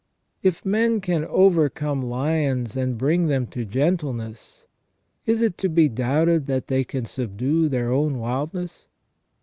If men can overcome lions and bring them to gentleness, is it to be doubted that they can subdue their own wildness